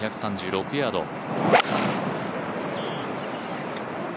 ２３６ヤード。